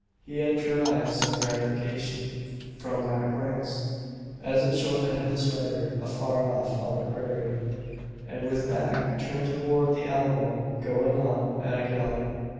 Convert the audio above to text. He had derived some gratification from that glance; as it showed the headless rider afar off on the prairie, and with back turned toward the Alamo, going on at a gallop.